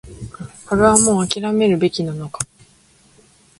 これはもう諦めるべきなのか